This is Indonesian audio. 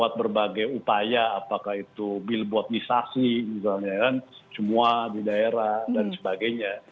sebagai upaya apakah itu billboardisasi misalnya kan semua di daerah dan sebagainya